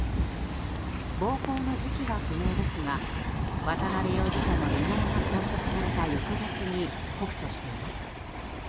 暴行の時期は不明ですが渡邉容疑者の身柄が拘束された翌月に告訴しています。